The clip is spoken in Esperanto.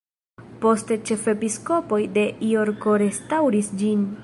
Poste ĉefepiskopoj de Jorko restaŭris ĝin.